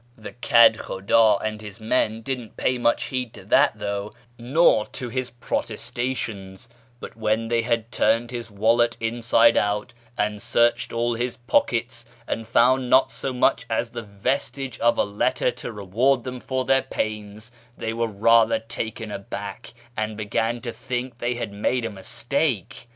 The kcd khudd and his men didn't pay much heed to that, though, nor to his protestations ; but when they had turned his wallet inside out, and searched all his pockets, and found not so much as the vestige of a letter to reward them for their pains, they were rather taken aback, and began to think they had made a mistake.